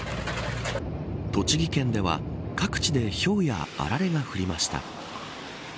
栃木県では、各地でひょうやあられが降りました。